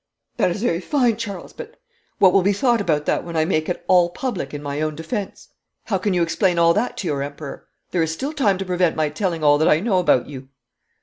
'That is very fine, Charles, but what will be thought about that when I make it all public in my own defence? How can you explain all that to your Emperor? There is still time to prevent my telling all that I know about you.'